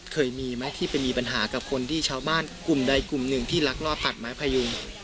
เคยมีไหมที่ไปมีปัญหากับคนที่ชาวบ้านกลุ่มใดกลุ่มหนึ่งที่ลักลอบตัดไม้พยุง